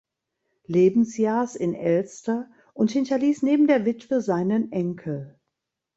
Lebensjahrs in Elster und hinterließ neben der Witwe seinen Enkel.